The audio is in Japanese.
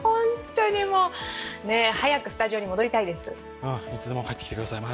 早くスタジオに戻りたいです。